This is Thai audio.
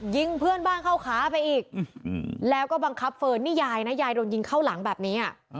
ยิงเพื่อนบ้านเข้าขาไปอีกแล้วก็บังคับเฟิร์นนี่ยายนะยายโดนยิงเข้าหลังแบบนี้